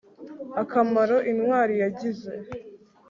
akamaro intwari yagize